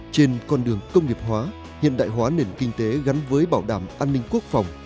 trên con đường công nghiệp hóa hiện đại hóa nền kinh tế gắn với bảo đảm an ninh quốc phòng